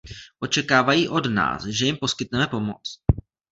Očekávají od nás, že jim poskytneme pomoc.